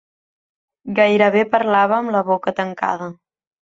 Gairebé parlava amb la boca tancada.